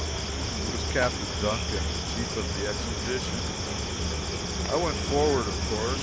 It was Captain Duncan, chief of the expedition. I went forward, of course.